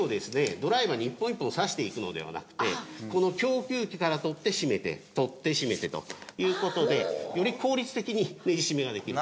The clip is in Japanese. ドライバーに１本１本さしていくのではなくてこの供給器から取って締めて取って締めてという事でより効率的にネジ締めができると。